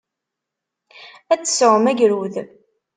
Ad d-tesɛum agrud.